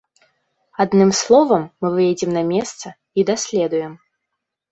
Адным словам, мы выедзем на месца і даследуем.